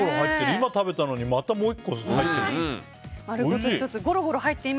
今食べたのにまたもう１個入ってる。